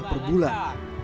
rp enam puluh perbulan